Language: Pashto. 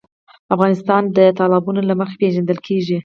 افغانستان د تالابونه له مخې پېژندل کېږي.